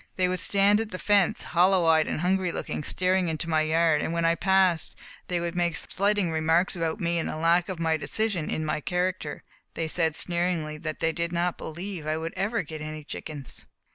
They would stand at the fence, hollow eyed and hungry looking, staring into my yard, and when I passed they would make slighting remarks about me and the lack of decision in my character. They said sneeringly that they did not believe I would ever get any chickens.